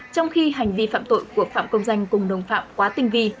trong khi hành vi phạm tội của phạm công danh cùng đồng phạm quá tinh vi